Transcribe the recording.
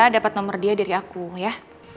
dapet nomer dia dari aku ya